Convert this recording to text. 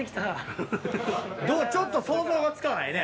ちょっと想像がつかないね。